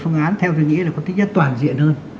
thông án theo tôi nghĩ là có tính giá toàn diện hơn